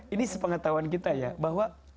ini sepengetahuan kita ya bahwa